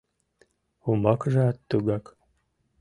Умбакыжат тугак...